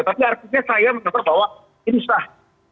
tapi artinya saya menurut saya bahwa ini susah